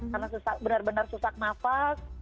karena benar benar susah nafas